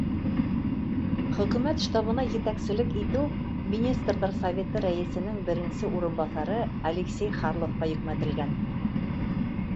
Хөкүмәт штабына етәкселек итеү Министрҙар Советы рәйесенең беренсе урынбаҫары Алексей Харловҡа йөкмәтелгән.